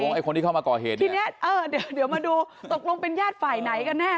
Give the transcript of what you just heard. ไอ้คนที่เข้ามาก่อเหตุเนี่ยทีเนี้ยเออเดี๋ยวมาดูตกลงเป็นญาติฝ่ายไหนกันแน่